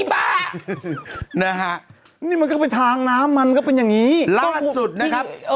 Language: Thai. บ้านะฮะนี่มันก็เป็นทางน้ำมันก็เป็นอย่างนี้ล่าสุดนะครับ